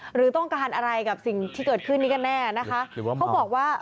หรือต้องการอะไรกับสิ่งที่เกิดขึ้นนี่ก็แน่นะคะ